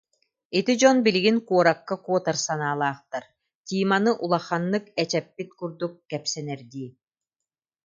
Ити дьон билигин куоракка куотар санаалаахтар, Тиманы улаханнык эчэппит курдук кэпсэнэр дии